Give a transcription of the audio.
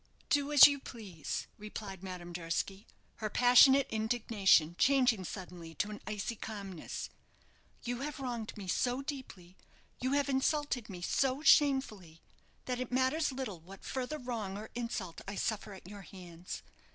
"Do as you please," replied Madame Durski, her passionate indignation changing suddenly to an icy calmness. "You have wronged me so deeply, you have insulted me so shamefully, that it matters little what further wrong or insult I suffer at your hands.